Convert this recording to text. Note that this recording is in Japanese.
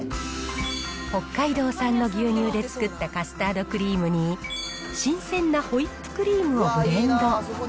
北海道産の牛乳で作ったカスタードクリームに、新鮮なホイップクリームをブレンド。